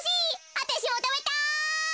わたしもたべたい。